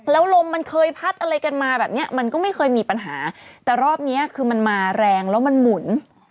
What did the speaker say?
แล้วลมมันเคยพัดอะไรกันมาแบบเนี้ยมันก็ไม่เคยมีปัญหาแต่รอบเนี้ยคือมันมาแรงแล้วมันหมุน